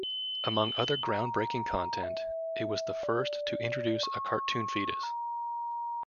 Among other groundbreaking content, it was the first to introduce a cartoon fetus.